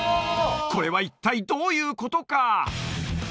これは一体どういうことか？